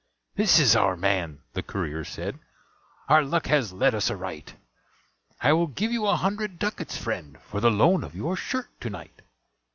"This is our man," the courier said "Our luck has led us aright. I will give you a hundred ducats, friend, For the loan of your shirt to night."